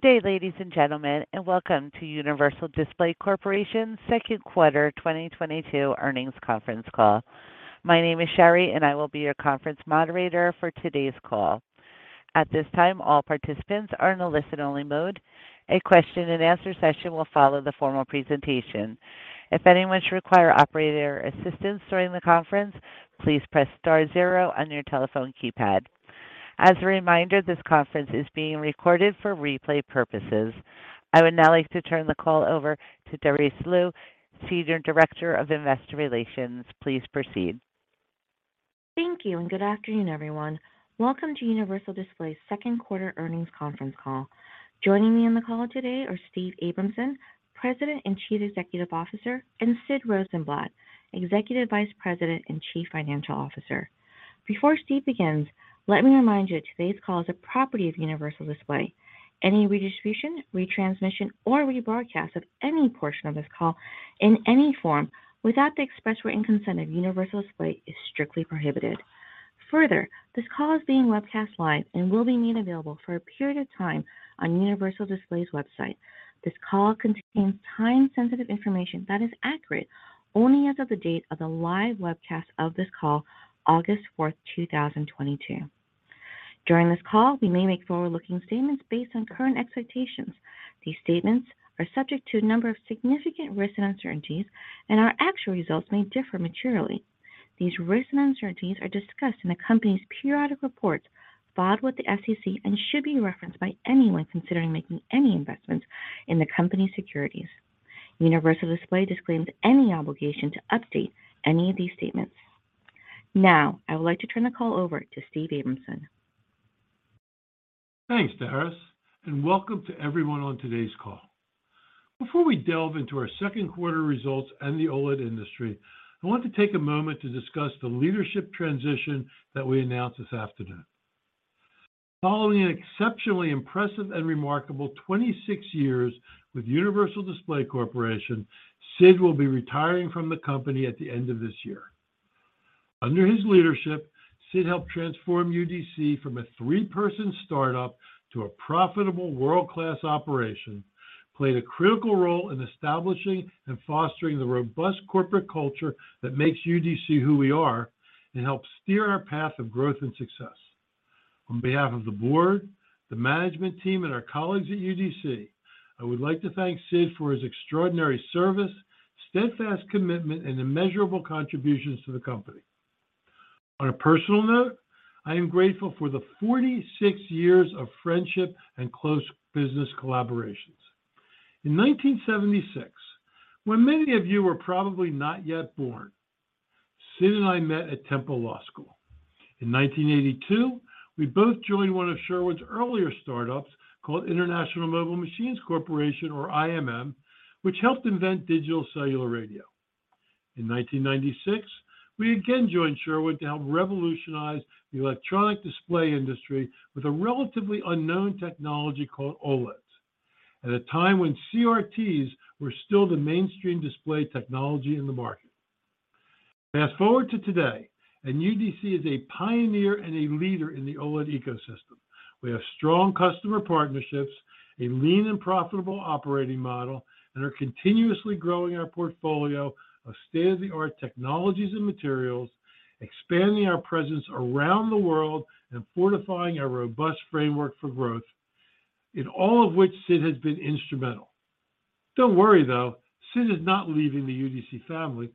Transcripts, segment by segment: Good day, ladies and gentlemen, and welcome to Universal Display Corporation's Q2 2022 earnings conference call. My name is Sherry, and I will be your conference moderator for today's call. At this time, all participants are in a listen-only mode. A question and answer session will follow the formal presentation. If anyone should require operator assistance during the conference, please press star zero on your telephone keypad. As a reminder, this conference is being recorded for replay purposes. I would now like to turn the call over to Darice Liu, Senior Director of Investor Relations. Please proceed. Thank you, and good afternoon, everyone. Welcome to Universal Display's Q2 earnings conference call. Joining me on the call today are Steve Abramson, President and Chief Executive Officer, and Sid Rosenblatt, Executive Vice President and Chief Financial Officer. Before Steve begins, let me remind you that today's call is a property of Universal Display. Any redistribution, retransmission, or rebroadcast of any portion of this call in any form without the express written consent of Universal Display is strictly prohibited. Further, this call is being webcast live and will be made available for a period of time on Universal Display's website. This call contains time-sensitive information that is accurate only as of the date of the live webcast of this call, August fourth, two thousand twenty-two. During this call, we may make forward-looking statements based on current expectations. These statements are subject to a number of significant risks and uncertainties, and our actual results may differ materially. These risks and uncertainties are discussed in the company's periodic reports filed with the SEC and should be referenced by anyone considering making any investments in the company's securities. Universal Display disclaims any obligation to update any of these statements. Now, I would like to turn the call over to Steve Abramson. Thanks, Darice, and welcome to everyone on today's call. Before we delve into our Q2 results and the OLED industry, I want to take a moment to discuss the leadership transition that we announced this afternoon. Following an exceptionally impressive and remarkable 26 years with Universal Display Corporation, Sid will be retiring from the company at the end of this year. Under his leadership, Sid helped transform UDC from a three-person startup to a profitable world-class operation, played a critical role in establishing and fostering the robust corporate culture that makes UDC who we are and helped steer our path of growth and success. On behalf of the board, the management team, and our colleagues at UDC, I would like to thank Sid for his extraordinary service, steadfast commitment, and immeasurable contributions to the company. On a personal note, I am grateful for the 46 years of friendship and close business collaborations. In 1976, when many of you were probably not yet born, Sid and I met at Temple Law School. In 1982, we both joined one of Sherwin's earlier startups called International Mobile Machines Corporation, or IMM, which helped invent digital cellular radio. In 1996, we again joined Sherwin to help revolutionize the electronic display industry with a relatively unknown technology called OLEDs at a time when CRTs were still the mainstream display technology in the market. Fast-forward to today, and UDC is a pioneer and a leader in the OLED ecosystem. We have strong customer partnerships, a lean and profitable operating model, and are continuously growing our portfolio of state-of-the-art technologies and materials, expanding our presence around the world and fortifying our robust framework for growth in all of which Sid has been instrumental. Don't worry, though. Sid is not leaving the UDC family.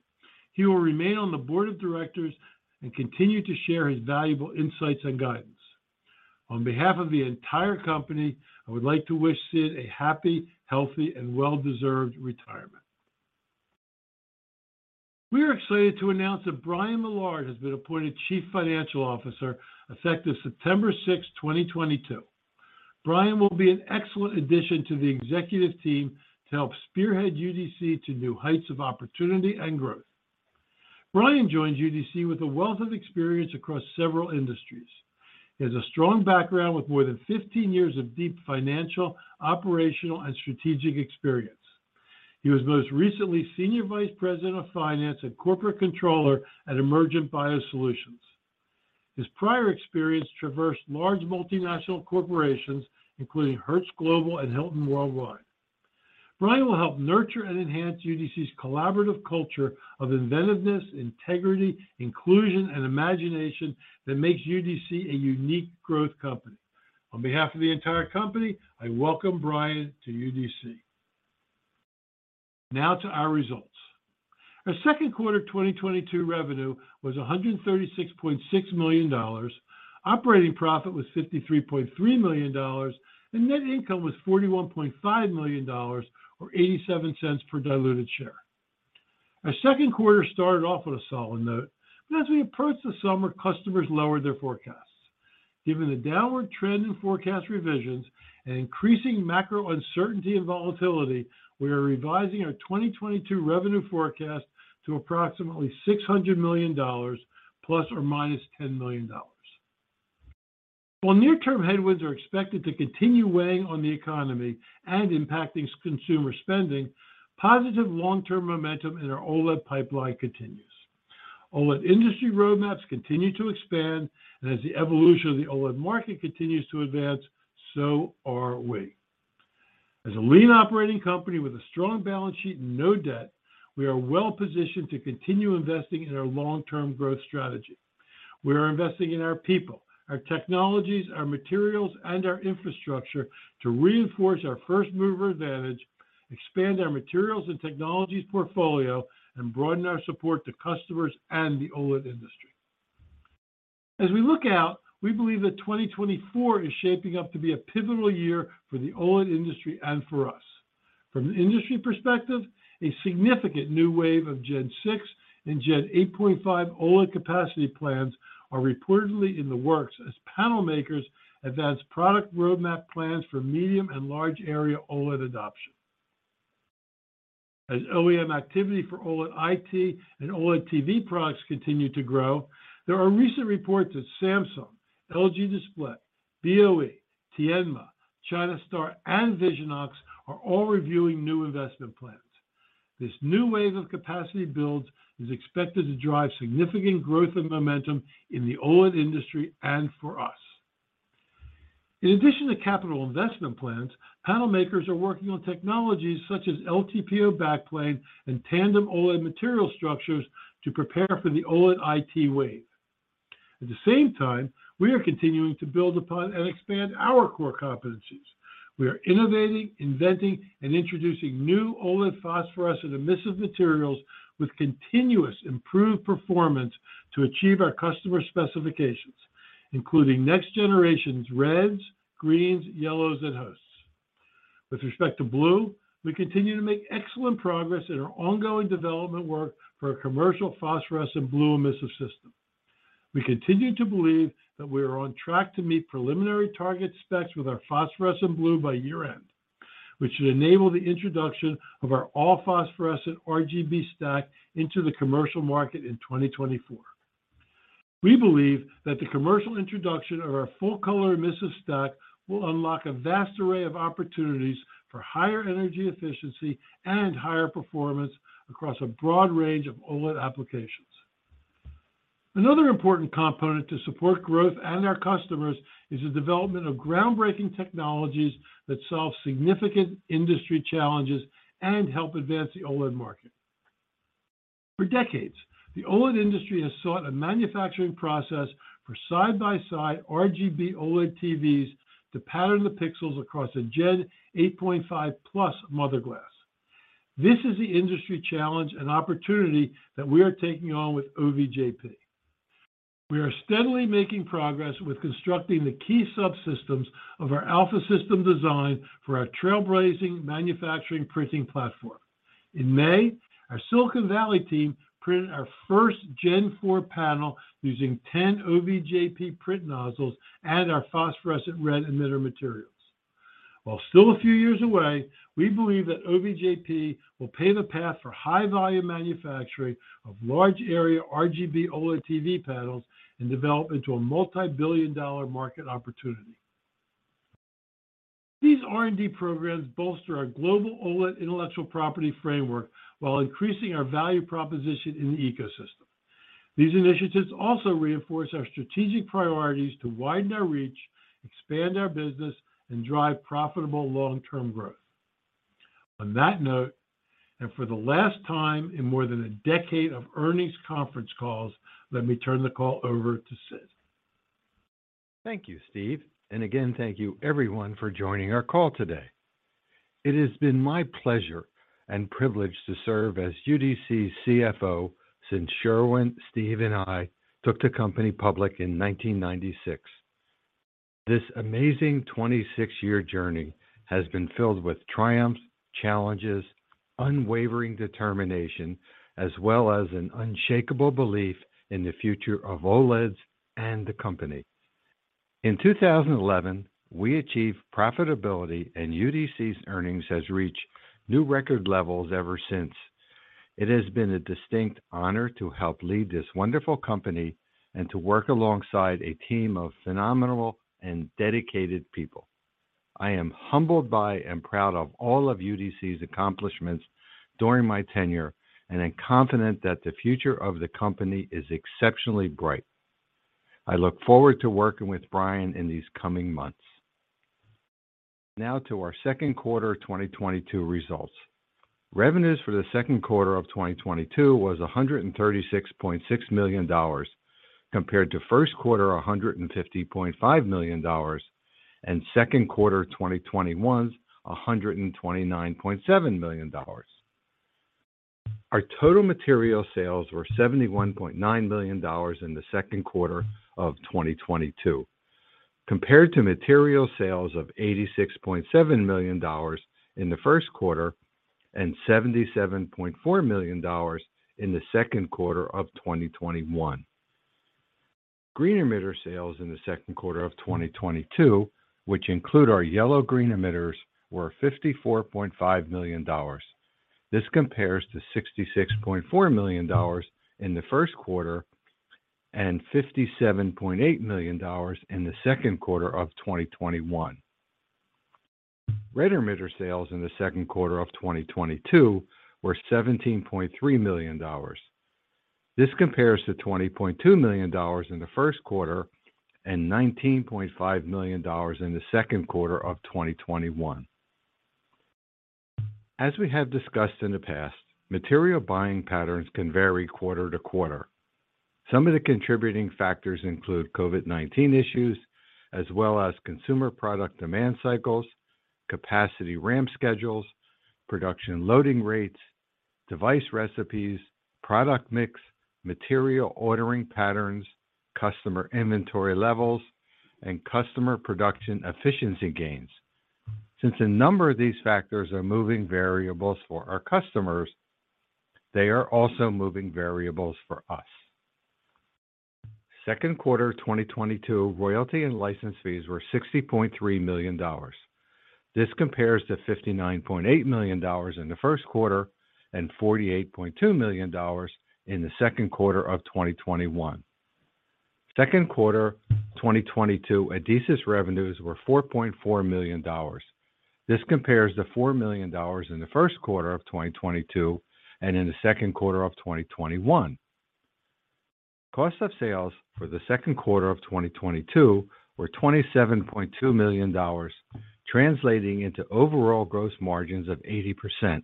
He will remain on the board of directors and continue to share his valuable insights and guidance. On behalf of the entire company, I would like to wish Sid a happy, healthy, and well-deserved retirement. We are excited to announce that Brian Millard has been appointed Chief Financial Officer effective September 6, 2022. Brian will be an excellent addition to the executive team to help spearhead UDC to new heights of opportunity and growth. Brian joins UDC with a wealth of experience across several industries. He has a strong background with more than 15 years of deep financial, operational, and strategic experience. He was most recently Senior Vice President of Finance and Corporate Controller at Emergent BioSolutions. His prior experience traversed large multinational corporations, including Hertz Global and Hilton Worldwide. Brian will help nurture and enhance UDC's collaborative culture of inventiveness, integrity, inclusion, and imagination that makes UDC a unique growth company. On behalf of the entire company, I welcome Brian to UDC. Now to our results. Our Q2 2022 revenue was $136.6 million. Operating profit was $53.3 million, and net income was $41.5 million, or $0.87 per diluted share. Our Q2 started off on a solid note, but as we approached the summer, customers lowered their forecasts. Given the downward trend in forecast revisions and increasing macro uncertainty and volatility, we are revising our 2022 revenue forecast to approximately $600 million ± $10 million. While near-term headwinds are expected to continue weighing on the economy and impacting consumer spending, positive long-term momentum in our OLED pipeline continues. OLED industry roadmaps continue to expand, and as the evolution of the OLED market continues to advance, so are we. As a lean operating company with a strong balance sheet and no debt, we are well positioned to continue investing in our long-term growth strategy. We are investing in our people, our technologies, our materials, and our infrastructure to reinforce our first mover advantage, expand our materials and technologies portfolio, and broaden our support to customers and the OLED industry. As we look out, we believe that 2024 is shaping up to be a pivotal year for the OLED industry and for us. From an industry perspective, a significant new wave of Gen 6 and Gen 8.5 OLED capacity plans are reportedly in the works as panel makers advance product roadmap plans for medium and large area OLED adoption. As OEM activity for OLED IT and OLED TV products continue to grow, there are recent reports that Samsung, LG Display, BOE, Tianma, China Star, and Visionox are all reviewing new investment plans. This new wave of capacity builds is expected to drive significant growth and momentum in the OLED industry and for us. In addition to capital investment plans, panel makers are working on technologies such as LTPO backplane and tandem OLED material structures to prepare for the OLED IT wave. At the same time, we are continuing to build upon and expand our core competencies. We are innovating, inventing, and introducing new OLED phosphorescent emissive materials with continuous improved performance to achieve our customer specifications, including next generation's reds, greens, yellows, and hosts. With respect to blue, we continue to make excellent progress in our ongoing development work for a commercial phosphorescent blue emissive system. We continue to believe that we are on track to meet preliminary target specs with our phosphorescent blue by year-end, which should enable the introduction of our all phosphorescent RGB stack into the commercial market in 2024. We believe that the commercial introduction of our full-color emissive stack will unlock a vast array of opportunities for higher energy efficiency and higher performance across a broad range of OLED applications. Another important component to support growth and our customers is the development of groundbreaking technologies that solve significant industry challenges and help advance the OLED market. For decades, the OLED industry has sought a manufacturing process for side-by-side RGB OLED TVs to pattern the pixels across a Gen 8.5+ mother glass. This is the industry challenge and opportunity that we are taking on with OVJP. We are steadily making progress with constructing the key subsystems of our alpha system design for our trailblazing manufacturing printing platform. In May, our Silicon Valley team printed our first Gen 4 panel using 10 OVJP print nozzles and our phosphorescent red emitter materials. While still a few years away, we believe that OVJP will pave a path for high volume manufacturing of large area RGB OLED TV panels and develop into a multi-billion dollar market opportunity. These R&D programs bolster our global OLED intellectual property framework while increasing our value proposition in the ecosystem. These initiatives also reinforce our strategic priorities to widen our reach, expand our business, and drive profitable long-term growth. On that note, and for the last time in more than a decade of earnings conference calls, let me turn the call over to Sid. Thank you, Steve, and again, thank you everyone for joining our call today. It has been my pleasure and privilege to serve as UDC's CFO since Sherwin, Steve, and I took the company public in 1996. This amazing 26-year journey has been filled with triumphs, challenges, unwavering determination, as well as an unshakable belief in the future of OLEDs and the company. In 2011, we achieved profitability, and UDC's earnings has reached new record levels ever since. It has been a distinct honor to help lead this wonderful company and to work alongside a team of phenomenal and dedicated people. I am humbled by and proud of all of UDC's accomplishments during my tenure, and am confident that the future of the company is exceptionally bright. I look forward to working with Brian in these coming months. Now to our Q2 2022 results. Revenues for the Q2 of 2022 was $136.6 million, compared to Q1 $150.5 million, and Q2 2021's $129.7 million. Our total material sales were $71.9 million in the Q2 of 2022, compared to material sales of $86.7 million in the Q1 and $77.4 million in the Q2 of 2021. Green emitter sales in the Q2 of 2022, which include our yellow-green emitters, were $54.5 million. This compares to $66.4 million in the Q1 and $57.8 million in the Q2 of 2021. Red emitter sales in the Q2 of 2022 were $17.3 million. This compares to $20.2 million in the Q1 and $19.5 million in the Q2 of 2021. As we have discussed in the past, material buying patterns can vary quarter to quarter. Some of the contributing factors include COVID-19 issues as well as consumer product demand cycles, capacity ramp schedules, production loading rates, device recipes, product mix, material ordering patterns, customer inventory levels, and customer production efficiency gains. Since a number of these factors are moving variables for our customers, they are also moving variables for us. Q2 2022 royalty and license fees were $60.3 million. This compares to $59.8 million in the Q1 and $48.2 million in the Q2 of 2021. Q2 2022, Adesis revenues were $4.4 million. This compares to $4 million in the Q1 of 2022 and in the Q2 of 2021. Cost of sales for the Q2 of 2022 were $27.2 million, translating into overall gross margins of 80%.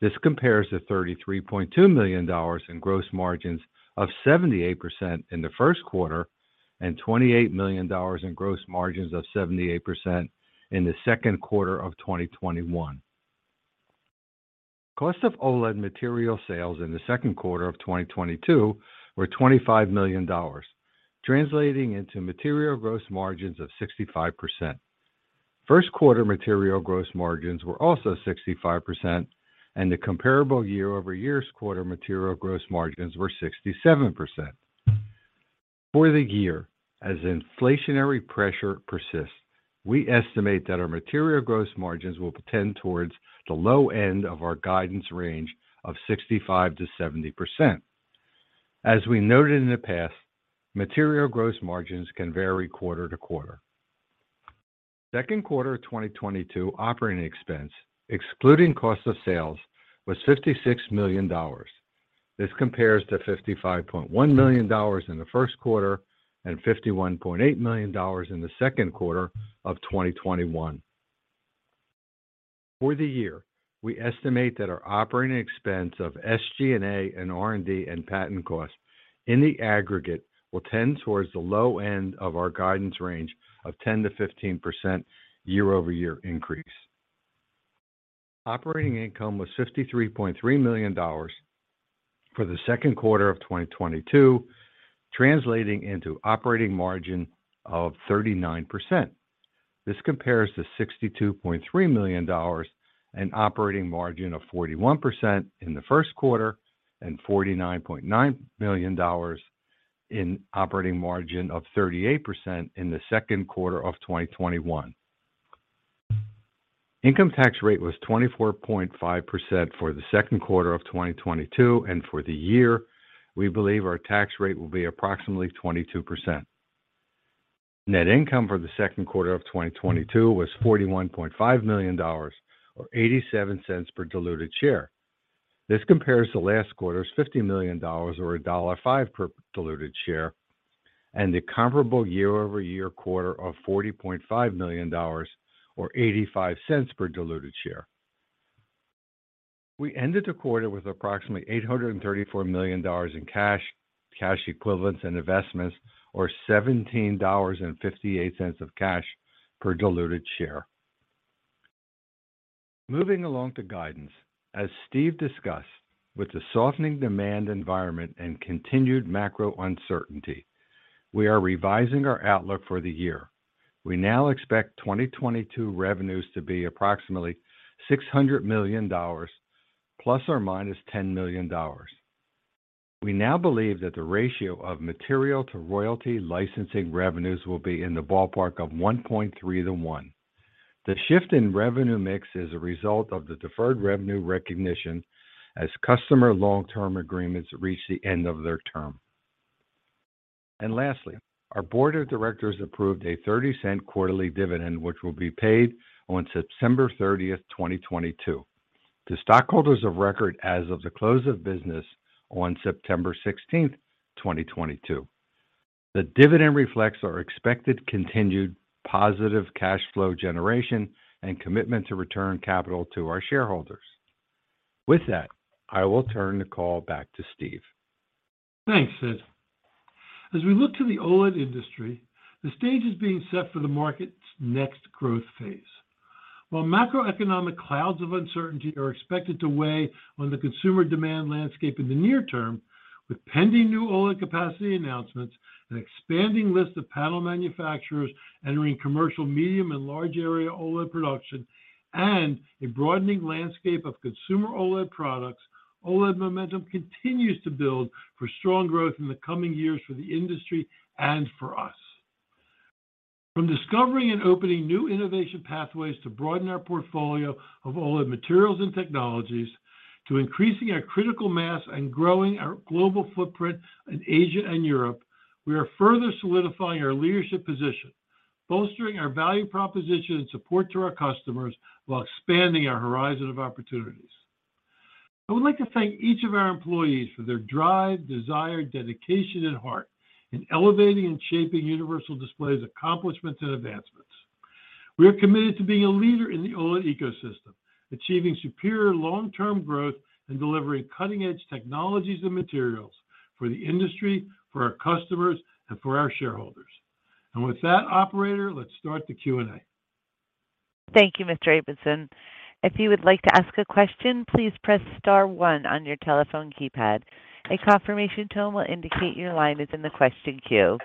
This compares to $33.2 million in gross margins of 78% in the Q1 and $28 million in gross margins of 78% in the Q2 of 2021. Cost of OLED material sales in the Q2 of 2022 were $25 million, translating into material gross margins of 65%. Q1 material gross margins were also 65%, and the comparable year-over-year quarter material gross margins were 67%. For the year, as inflationary pressure persists, we estimate that our material gross margins will tend towards the low end of our guidance range of 65%-70%. As we noted in the past, material gross margins can vary quarter to quarter. Q2 of 2022 operating expense, excluding cost of sales, was $56 million. This compares to $55.1 million in the Q1 and $51.8 million in the Q2 of 2021. For the year, we estimate that our operating expense of SG&A and R&D and patent costs in the aggregate will tend towards the low end of our guidance range of 10%-15% year-over-year increase. Operating income was $63.3 million for the Q2 of 2022, translating into operating margin of 39%. This compares to $62.3 million in operating margin of 41% in the Q1 and $49.9 million in operating margin of 38% in the Q2 of 2021. Income tax rate was 24.5% for the Q2 of 2022, and for the year, we believe our tax rate will be approximately 22%. Net income for the Q2 of 2022 was $41.5 million or $0.87 per diluted share. This compares to last quarter's $50 million or $1.05 per diluted share and the comparable year-over-year quarter of $40.5 million or $0.85 per diluted share. We ended the quarter with approximately $834 million in cash equivalents, and investments or $17.58 of cash per diluted share. Moving along to guidance, as Steve discussed, with the softening demand environment and continued macro uncertainty, we are revising our outlook for the year. We now expect 2022 revenues to be approximately $600 million ±$10 million. We now believe that the ratio of material to royalty licensing revenues will be in the ballpark of 1.3 to 1. The shift in revenue mix is a result of the deferred revenue recognition as customer long-term agreements reach the end of their term. Lastly, our board of directors approved a $0.30 quarterly dividend, which will be paid on September 30, 2022 to stockholders of record as of the close of business on September 16, 2022. The dividend reflects our expected continued positive cash flow generation and commitment to return capital to our shareholders. With that, I will turn the call back to Steve. Thanks, Sid. As we look to the OLED industry, the stage is being set for the market's next growth phase. While macroeconomic clouds of uncertainty are expected to weigh on the consumer demand landscape in the near term, with pending new OLED capacity announcements, an expanding list of panel manufacturers entering commercial medium and large area OLED production, and a broadening landscape of consumer OLED products, OLED momentum continues to build for strong growth in the coming years for the industry and for us. From discovering and opening new innovation pathways to broaden our portfolio of OLED materials and technologies to increasing our critical mass and growing our global footprint in Asia and Europe, we are further solidifying our leadership position, bolstering our value proposition and support to our customers, while expanding our horizon of opportunities. I would like to thank each of our employees for their drive, desire, dedication, and heart in elevating and shaping Universal Display's accomplishments and advancements. We are committed to being a leader in the OLED ecosystem, achieving superior long-term growth, and delivering cutting-edge technologies and materials for the industry, for our customers, and for our shareholders. With that, operator, let's start the Q&A. Thank you, Mr. Abramson. If you would like to ask a question, please press star one on your telephone keypad. A confirmation tone will indicate your line is in the question queue.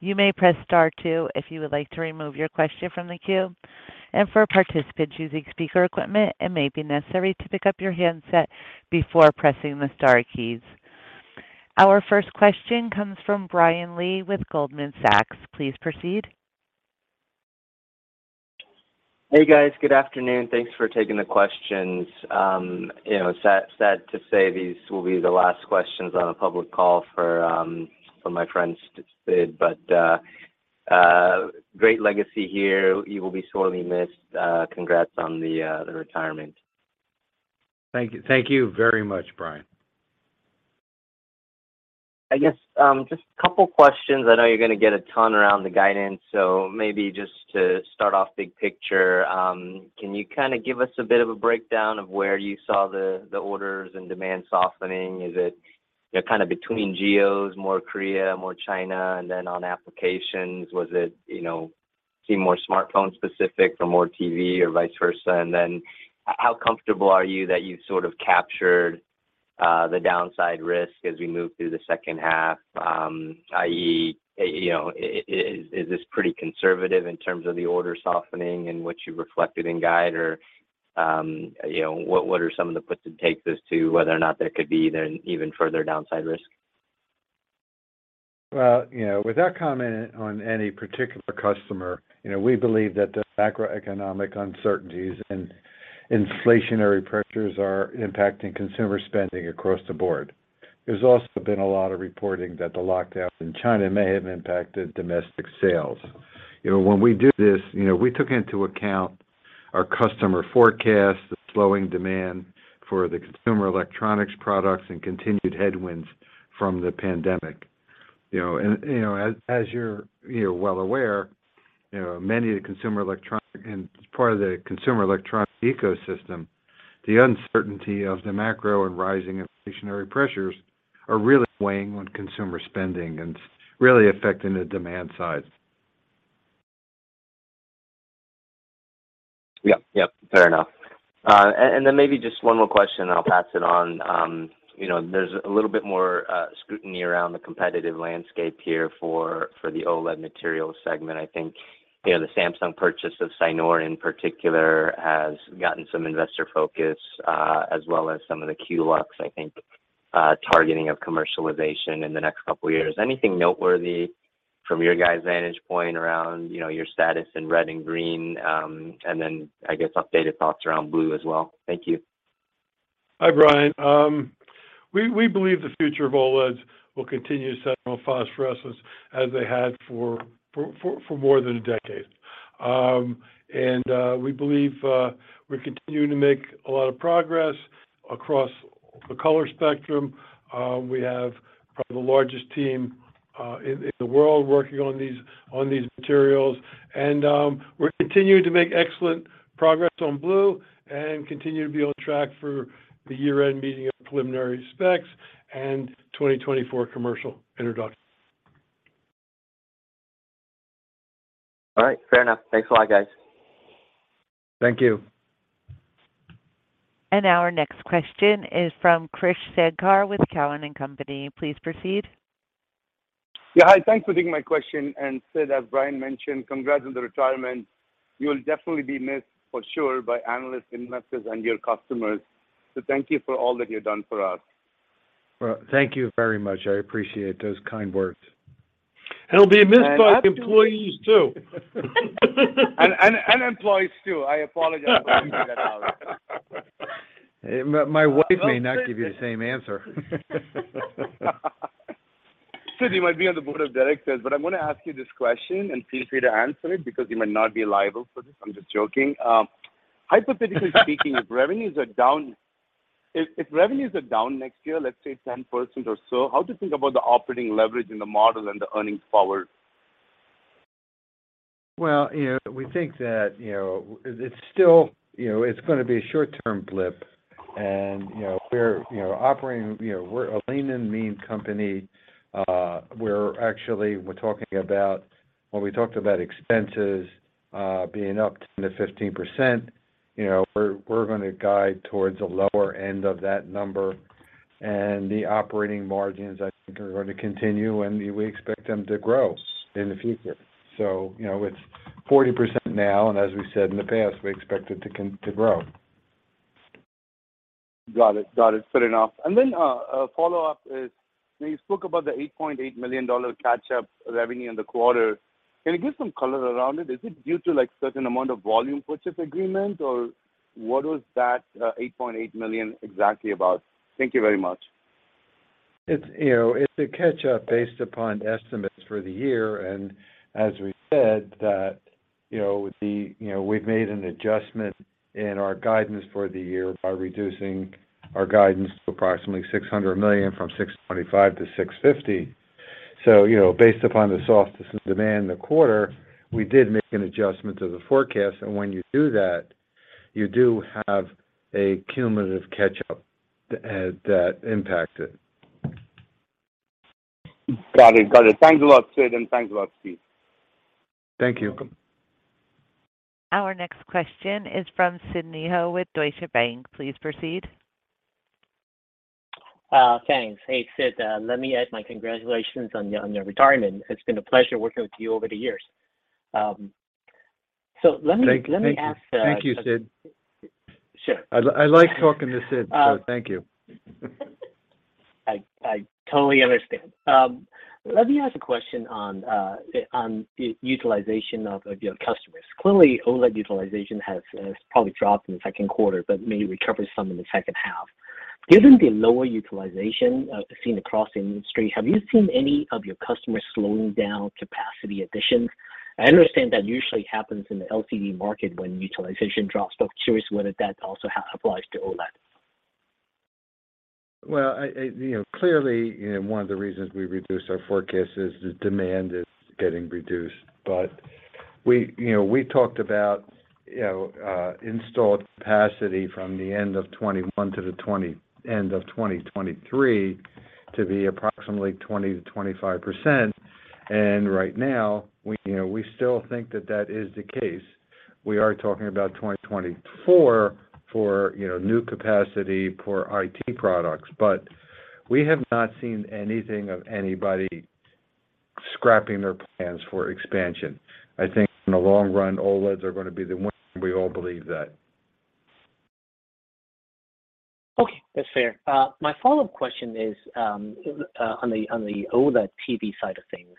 You may press star two if you would like to remove your question from the queue. For participants using speaker equipment, it may be necessary to pick up your handset before pressing the star keys. Our first question comes from Brian Lee with Goldman Sachs. Please proceed. Hey, guys. Good afternoon. Thanks for taking the questions. You know, sad to say these will be the last questions on a public call for my friend Sid, but great legacy here. You will be sorely missed. Congrats on the retirement. Thank you. Thank you very much, Brian. I guess, just a couple questions. I know you're gonna get a ton around the guidance, so maybe just to start off big picture, can you kind of give us a bit of a breakdown of where you saw the orders and demand softening? Is it kind of between geos, more Korea, more China? And then on applications, was it seem more smartphone specific or more TV or vice versa? And then how comfortable are you that you've sort of captured the downside risk as we move through the H2? i.e. is this pretty conservative in terms of the order softening and what you reflected in guide or what are some of the puts and takes as to whether or not there could be then even further downside risk? well without commenting on any particular customer we believe that the macroeconomic uncertainties and inflationary pressures are impacting consumer spending across the board. There's also been a lot of reporting that the lockdowns in China may have impacted domestic sales. You know, when we did this we took into account our customer forecasts, the slowing demand for the consumer electronics products, and continued headwinds from the pandemic. You know as you're well aware many of the consumer electronics, and as part of the consumer electronics ecosystem, the uncertainty of the macro and rising inflationary pressures are really weighing on consumer spending and really affecting the demand side. Yep. Fair enough. Then maybe just one more question and I'll pass it on. You know, there's a little bit more scrutiny around the competitive landscape here for the OLED material segment. I think the Samsung purchase of Cynora in particular has gotten some investor focus, as well as some of the Kyulux, I think, targeting of commercialization in the next couple years. Anything noteworthy from your guys' vantage point around your status in red and green, and then I guess updated thoughts around blue as well? Thank you. Hi, Brian. We believe the future of OLEDs will continue to center on phosphorescence as they had for more than a decade. We believe we're continuing to make a lot of progress across the color spectrum. We have probably the largest team in the world working on these materials. We're continuing to make excellent progress on blue and continue to be on track for the year-end meeting of preliminary specs and 2024 commercial introduction. All right. Fair enough. Thanks a lot, guys. Thank you. Our next question is from Krish Sankar with Cowen and Company. Please proceed. Yeah. Hi. Thanks for taking my question. Sid, as Brian mentioned, congrats on the retirement. You'll definitely be missed for sure by analysts, investors, and your customers, so thank you for all that you've done for us. Well, thank you very much. I appreciate those kind words. He'll be missed by employees, too. Employees, too. I apologize for leaving that out. My wife may not give you the same answer. Sid, you might be on the board of directors, but I'm gonna ask you this question, and feel free to answer it because you might not be liable for this. I'm just joking. Hypothetically speaking, if revenues are down next year, let's say 10% or so, how do you think about the operating leverage in the model and the earnings power? well we think that it's still it's gonna be a short-term blip and we're operating. You know, we're a lean and mean company. When we talked about expenses being up 10%-15% we're gonna guide towards the lower end of that number. The operating margins, I think, are going to continue, and we expect them to grow in the future. You know, it's 40% now, and as we said in the past, we expect it to grow. Got it. Fair enough. A follow-up is, when you spoke about the $8.8 million catch-up revenue in the quarter- Can you give some color around it? Is it due to, like, certain amount of volume purchase agreement, or what was that $8.8 million exactly about? Thank you very much. It's you know it's a catch-up based upon estimates for the year. As we said that you know the you know we've made an adjustment in our guidance for the year by reducing our guidance to approximately $600 million from $625 million-$650 million. You know based upon the softness in demand in the quarter we did make an adjustment to the forecast. When you do that you do have a cumulative catch-up that impacts it. Got it. Thanks a lot, Sid, and thanks a lot, Steve. Thank you. Our next question is from Sidney Ho with Deutsche Bank. Please proceed. Thanks. Hey, Sid, let me add my congratulations on your retirement. Let me Thank you. Let me ask. Thank you, Sid. Sure. I like talking to Sid. Um- Thank you. I totally understand. Let me ask a question on utilization of your customers. Clearly, OLED utilization has probably dropped in the Q2, but maybe recovered some in the H2. Given the lower utilization seen across the industry, have you seen any of your customers slowing down capacity additions? I understand that usually happens in the LCD market when utilization drops. I was curious whether that also applies to OLED. well clearly one of the reasons we reduced our forecast is the demand is getting reduced. we we talked about installed capacity from the end of 2021 to the end of 2023 to be approximately 20%-25%. Right now, we we still think that that is the case. We are talking about 2024 for new capacity for IT products. We have not seen anything of anybody scrapping their plans for expansion. I think in the long run, OLEDs are gonna be the winner. We all believe that. Okay. That's fair. My follow-up question is on the OLED TV side of things.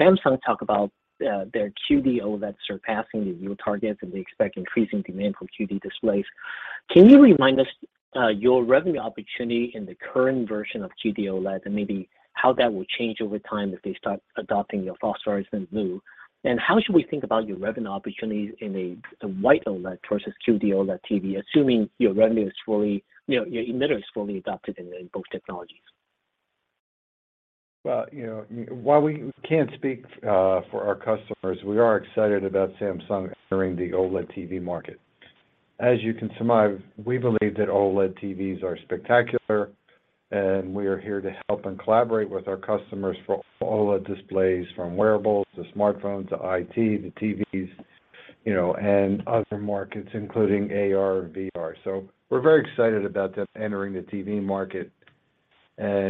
Samsung talk about their QD-OLED surpassing the volume targets, and they expect increasing demand from QD displays. Can you remind us your revenue opportunity in the current version of QD-OLED, and maybe how that will change over time as they start adopting your phosphorescent blue? How should we think about your revenue opportunities in the white OLED versus QD-OLED TV, assuming your revenue is fully your emitter is fully adopted in both technologies? well while we can't speak for our customers, we are excited about Samsung entering the OLED TV market. As you can surmise, we believe that OLED TVs are spectacular, and we are here to help and collaborate with our customers for all OLED displays from wearables to smartphones to IT to tvs and other markets, including AR and VR. We're very excited about them entering the TV market. You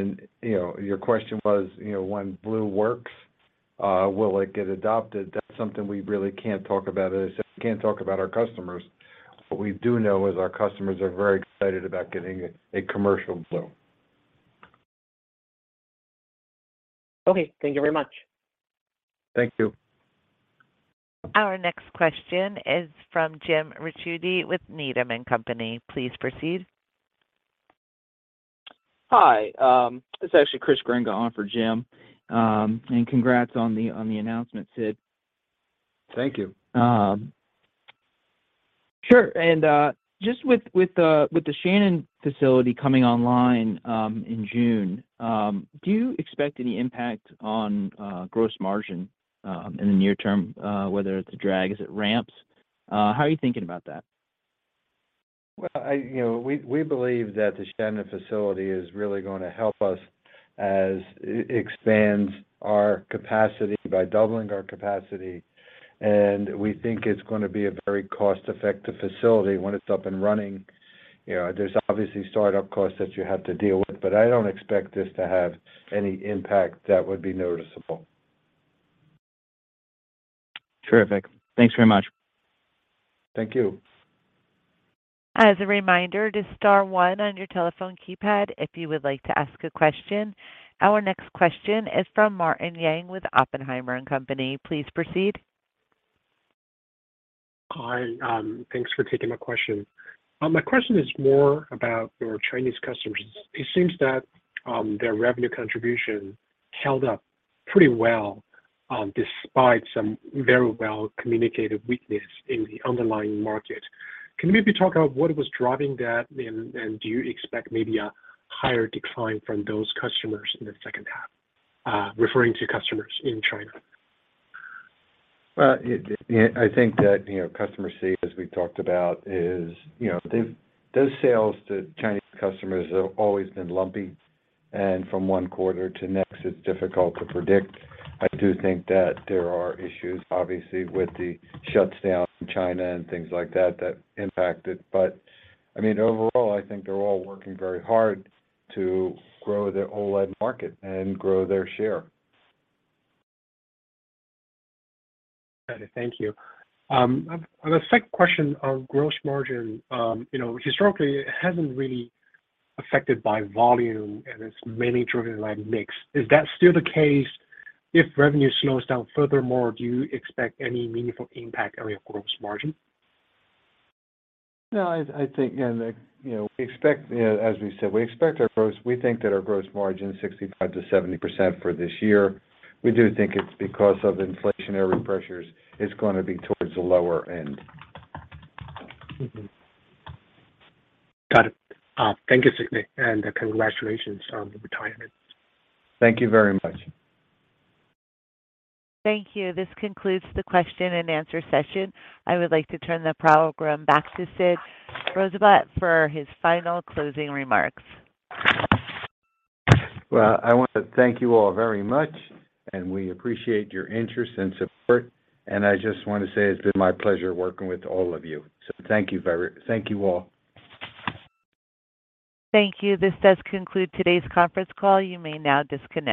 know, your question was when blue works, will it get adopted? That's something we really can't talk about as we can't talk about our customers. What we do know is our customers are very excited about getting a commercial blue. Okay. Thank you very much. Thank you. Our next question is from Jim Ricchiuti with Needham & Company. Please proceed. Hi, it's actually Chris Grenga on for Jim. Congrats on the announcement, Sid. Thank you. Sure. Just with the Shannon facility coming online in June, do you expect any impact on gross margin in the near term, whether it's a drag as it ramps? How are you thinking about that? well we believe that the Shannon facility is really gonna help us as it expands our capacity by doubling our capacity. We think it's gonna be a very cost-effective facility when it's up and running. You know, there's obviously start-up costs that you have to deal with, but I don't expect this to have any impact that would be noticeable. Terrific. Thanks very much. Thank you. As a reminder to star one on your telephone keypad if you would like to ask a question. Our next question is from Martin Yang with Oppenheimer & Co. Inc. Please proceed. Hi. Thanks for taking my question. My question is more about your Chinese customers. It seems that their revenue contribution held up pretty well, despite some very well-communicated weakness in the underlying market. Can you maybe talk about what was driving that? And do you expect maybe a higher decline from those customers in the H2? Referring to customers in China. Well, I think that customer C, as we've talked about, is those sales to Chinese customers have always been lumpy, and from one quarter to next, it's difficult to predict. I do think that there are issues, obviously, with the shutdowns in China and things like that impact it. I mean, overall, I think they're all working very hard to grow their OLED market and grow their share. Thank you. On the second question on gross margin historically, it hasn't really affected by volume, and it's mainly driven by mix. Is that still the case if revenue slows down furthermore? Do you expect any meaningful impact on your gross margin? No, I think we expect as we said, we think that our gross margin 65%-70% for this year. We do think it's because of inflationary pressures, it's gonna be towards the lower end. Got it. Thank you, Sid, and congratulations on the retirement. Thank you very much. Thank you. This concludes the question and answer session. I would like to turn the program back to Sid Rosenblatt for his final closing remarks. Well, I want to thank you all very much, and we appreciate your interest and support. I just wanna say it's been my pleasure working with all of you. Thank you all. Thank you. This does conclude today's conference call. You may now disconnect.